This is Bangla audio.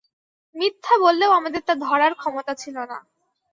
মিথ্যা বললেও আমাদের তা ধরার ক্ষমতা ছিল না।